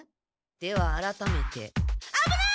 ではあらためてあぶない！